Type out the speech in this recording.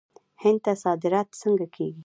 هند ته صادرات څنګه کیږي؟